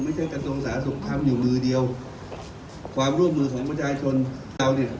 ไม่ใช่กันตรงสาธารณ์สุขภาพอยู่มือเดียวความร่วมมือของประชาชนเราเนี่ย